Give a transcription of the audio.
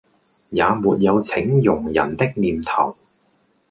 也沒有請佣人的念頭